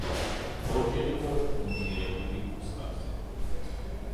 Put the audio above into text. ორჯერ იყო ნომინირებული ოსკარზე.